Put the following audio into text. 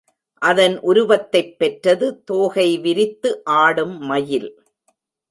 அதன் உருவத்தைப் பெற்றது தோகை விரித்து ஆடும் மயில்.